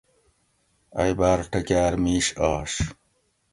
ائی باۤر ٹکر میش آش